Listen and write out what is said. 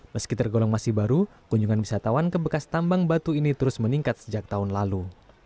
meski tergolong masih baru kunjungan wisatawan ke bekas tambang batu ini terus meningkat sejak tahun lalu